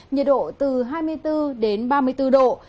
nhiệt độ từ hai mươi bốn đến ba mươi bốn độ